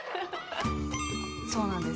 「そうなんです」